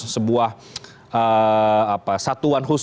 sebuah satuan perhubungan